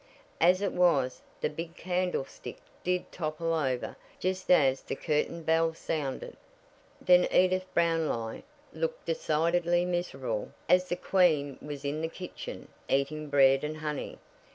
As it was, the big candlestick did topple over just as the curtain bell sounded. Then Edith Brownlie looked decidedly miserable as "The Queen was in the Kitchen, Eating Bread and Honey."